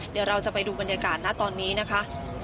เดี๋ยวเราจะไปดูบรรยากาศนะตอนนี้นะคะ